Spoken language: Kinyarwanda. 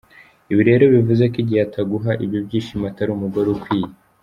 Ibi rero bivuze ko igihe ataguha ibyo byishimo atari umugore ugukwiye.